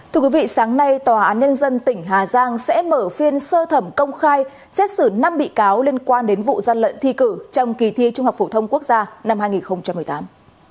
thưa quý vị sáng nay tòa án nhân dân tỉnh hà giang sẽ mở phiên sơ thẩm công khai xét xử năm bị cáo liên quan đến vụ gian lận thi cử trong kỳ thi trung học phổ thông quốc gia năm hai nghìn một mươi tám